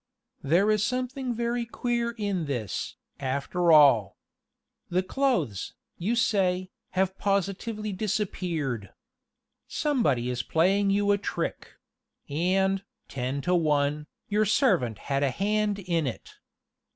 "There is something very queer in this, after all. The clothes, you say, have positively disappeared. Somebody is playing you a trick; and, ten to one, your servant had a hand in it.